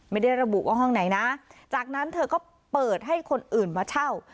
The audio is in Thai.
ไม่ได้ระบุว่าห้องไหนนะจากนั้นเธอก็เปิดให้คนอื่นมาเช่า